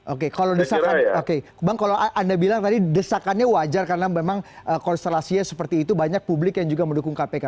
oke kalau desakan oke bang kalau anda bilang tadi desakannya wajar karena memang konstelasinya seperti itu banyak publik yang juga mendukung kpk